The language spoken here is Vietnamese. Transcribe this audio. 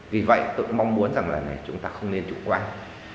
vì vậy tôi mong muốn rằng là này chúng ta không nên trụ quang